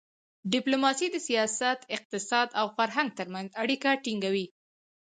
ډیپلوماسي د سیاست، اقتصاد او فرهنګ ترمنځ اړیکه ټینګوي.